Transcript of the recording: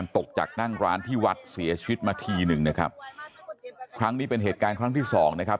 ตกจากนั่งร้านที่วัดเสียชีวิตมาทีหนึ่งนะครับครั้งนี้เป็นเหตุการณ์ครั้งที่สองนะครับ